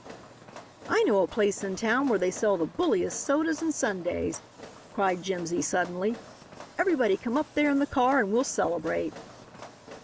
"I know a place in town where they sell the bulliest sodas and sundaes," cried Jimsy suddenly. "Everybody come up there in the car and we'll celebrate!"